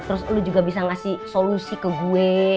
terus lu juga bisa ngasih solusi ke gue